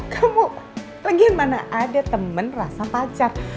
kamu lagi mana ada temen rasa pacar